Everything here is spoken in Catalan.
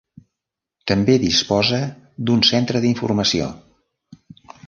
També disposa d'un centre d'informació.